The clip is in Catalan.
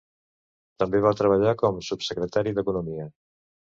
També va treballar com Subsecretari d"economia.